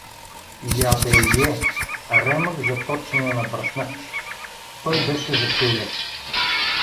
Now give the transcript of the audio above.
Ябелие — ремък за точене на бръснач. Той беше Васил Левски.